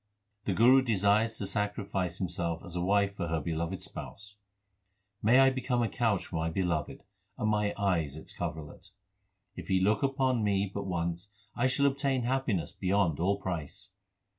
The Guru desires to sacrifice himself as a wife for her beloved Spouse : May I become a couch for my Beloved, and my eyes its coverlet. 1 If He look on me but once I shall obtain happiness beyond all price.